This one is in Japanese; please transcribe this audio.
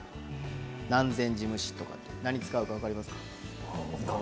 南禅寺蒸しとか何を使うか分かりますか？